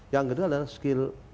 yang kedua adalah skill